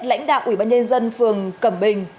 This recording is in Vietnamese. lãnh đạo ủy ban nhân dân phường cẩm bình